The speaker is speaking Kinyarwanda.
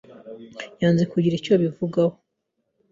Yanze kugira icyo abivugaho.